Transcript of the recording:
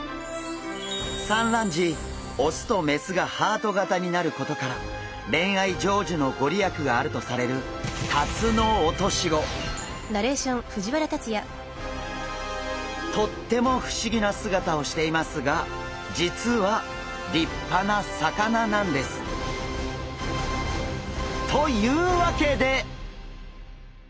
産卵時雄と雌がハート形になることから恋愛成就のご利益があるとされるとっても不思議な姿をしていますが実は立派な魚なんです。というわけで！